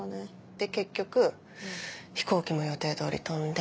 で結局飛行機も予定通り飛んで。